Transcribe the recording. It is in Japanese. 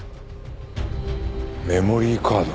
メモリーカード。